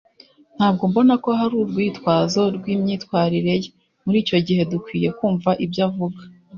ntabwo mbona ko hari urwitwazo rwimyitwarire ye. muri icyo gihe, dukwiye kumva ibyo avuga